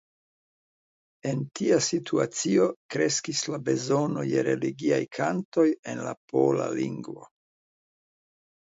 En tia situacio kreskis la bezono je religiaj kantoj en la pola lingvo.